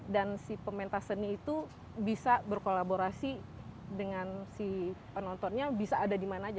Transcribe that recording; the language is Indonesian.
dan si pementa seni itu bisa berkolaborasi dengan si penontonnya bisa ada dimana aja